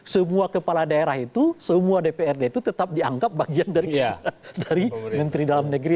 semua kepala daerah itu semua dprd itu tetap dianggap bagian dari menteri dalam negeri